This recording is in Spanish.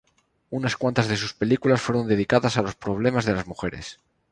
Unas cuantas de sus películas fueron dedicadas a los problemas de las mujeres.